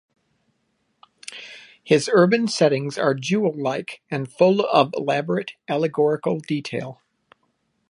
His urban settings are jewel-like and full of elaborate allegorical detail.